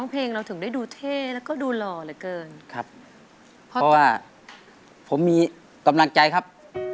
เพราะว่าผมมีกำลังใจครับ